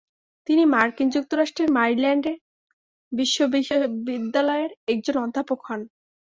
তিনি মার্কিন যুক্তরাষ্ট্রের ম্যারিল্যান্ড বিশ্ববিদ্যালয়ের একজন অধ্যাপক হন।